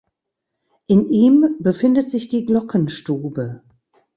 In ihm befindet sich die Glockenstube.